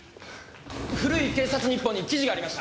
古い警察日報に記事がありました。